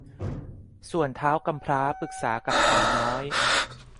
ส่วนท้าวกำพร้าปรึกษากับผีน้อย